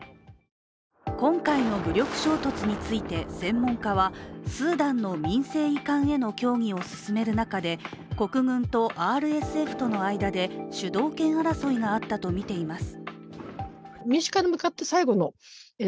今回の武力衝突について専門家はスーダンの民政移管への協議を進める中で国軍とＲＳＦとの間で主導権争いがあったとみています。